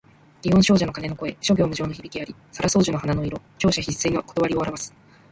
祇園精舎の鐘の声、諸行無常の響きあり。沙羅双樹の花の色、盛者必衰の理をあらわす。